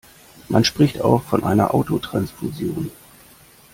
Man spricht auch von einer Autotransfusion.